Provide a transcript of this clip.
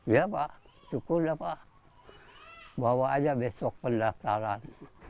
iya pak syukur pak bawa aja besok pendaftaran